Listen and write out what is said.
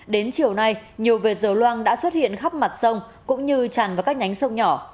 đến chiều nay nhiều vệt dầu loang đã xuất hiện khắp mặt sông cũng như tràn vào các nhánh sông nhỏ